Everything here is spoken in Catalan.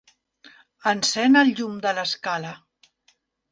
Encén el llum de l'escala.